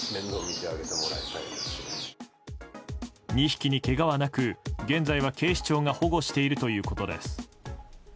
２匹に、けがはなく現在は警視庁が保護しているということです。